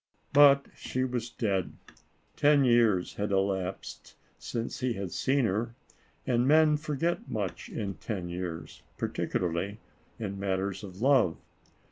But she was dead. Ten years had elapsed since he had seen her, and men forget much in ten years, par ticularly in matters of love.